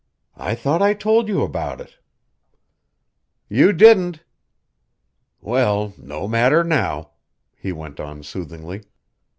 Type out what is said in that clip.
"I thought I told you about it." "You didn't." "Well, no matter now," he went on soothingly.